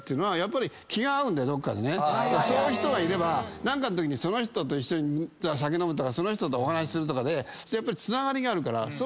そういう人がいれば何かのときにその人と一緒に酒飲むとかその人とお話しするとかで。